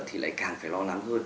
thì lại càng phải lo lắng hơn